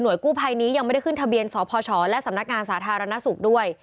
กู้ภัยนี้ยังไม่ได้ขึ้นทะเบียนสพชและสำนักงานสาธารณสุขด้วย